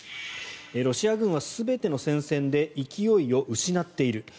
ロシア軍は全ての戦線で勢いを失っている。